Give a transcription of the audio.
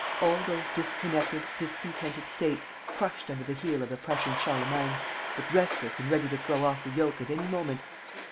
all those disconnected, discontented states, crushed under the heel of the Prussian Charlemagne, but restless and ready to throw off the yoke at any moment.